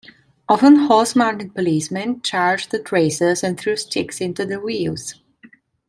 Often horse-mounted policemen charged at racers and threw sticks into their wheels.